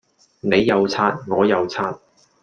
你又刷我又刷